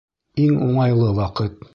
Иң уңайлы ваҡыт.